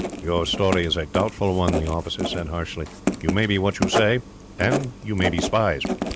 "Your story is a doubtful one," the officer said, harshly. "You may be what you say, and you may be spies."